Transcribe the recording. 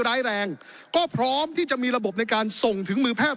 ร้ายแรงก็พร้อมที่จะมีระบบในการส่งถึงมือแพทย